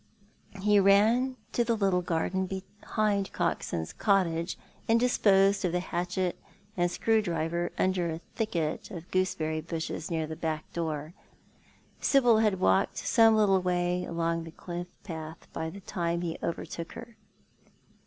He ran to the little garden, behind Coxon's cottage, and disposed of the hatchet and screw driver under a thicket of gooseberry bushes near the back door. Sibyl had walked some little way along the cliff path by the time he overtook her.